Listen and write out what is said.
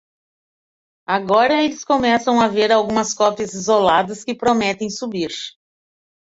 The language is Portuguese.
Agora eles começam a ver algumas cópias isoladas que prometem subir.